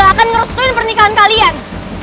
mama gak akan ngerusuhin pernikahan kalian